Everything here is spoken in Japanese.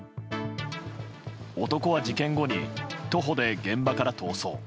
男は事件後に徒歩で現場から逃走。